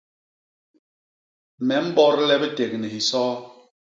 Me mbodle biték ni hisoo.